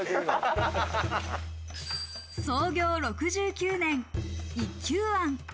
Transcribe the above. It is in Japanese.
創業６９年、一休庵。